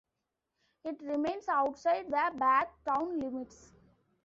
It remains outside the Bath town limits.